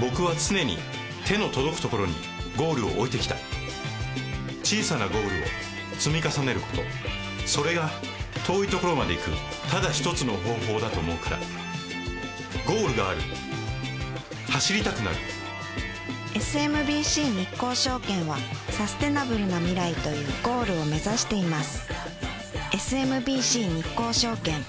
僕は常に手の届くところにゴールを置いてきた小さなゴールを積み重ねることそれが遠いところまで行くただ一つの方法だと思うからゴールがある走りたくなるＳＭＢＣ日興証券はサステナブルな未来というゴールを目指しています